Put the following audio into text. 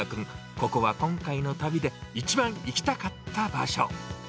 ここは今回の旅で一番行きたかった場所。